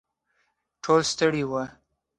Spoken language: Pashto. ټول ستړي وو.